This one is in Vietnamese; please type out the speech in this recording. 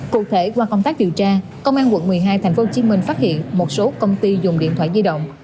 cụ thể qua công tác điều tra công an tp hcm phát hiện một số công ty dùng điện thoại di động